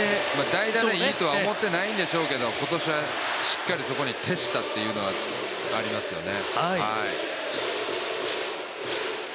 代打でいいとは思っていないんでしょうけど今年はしっかりそこに徹したというのはありますよね。